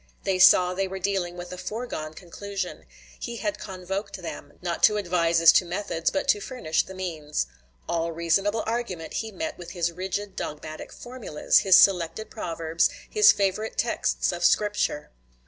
They saw they were dealing with a foregone conclusion; he had convoked them, not to advise as to methods, but to furnish the means. All reasonable argument he met with his rigid dogmatic formulas, his selected proverbs, his favorite texts of Scripture.